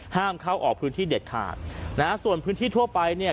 ห้ามเข้าออกพื้นที่เด็ดขาดนะฮะส่วนพื้นที่ทั่วไปเนี่ย